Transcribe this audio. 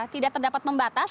tidak terdapat pembatas